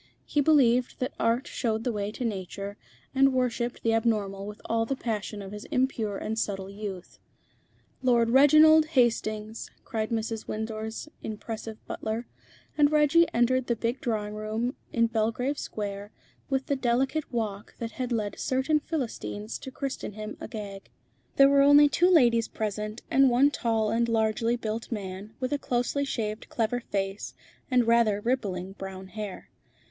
He believed that Art showed the way to Nature, and worshipped the abnormal with all the passion of his impure and subtle youth. "Lord Reginald Hastings," cried Mrs. Windsor's impressive butler, and Reggie entered the big drawing room in Belgrave Square with the delicate walk that had led certain Philistines to christen him Agag. There were only two ladies present, and one tall and largely built man, with a closely shaved, clever face, and rather rippling brown hair.